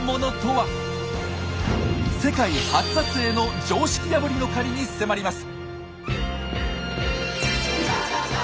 世界初撮影の常識破りの狩りに迫ります。